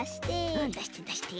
うんだしてだして。